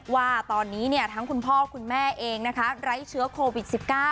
ว่าตอนนี้ทั้งคุณพ่อคุณแม่เองนะคะไร้เชื้อโควิด๑๙